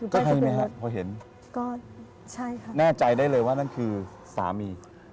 คุณให้แม่ครับเพราะเห็นน่าใจได้เลยว่านั่นคือสามี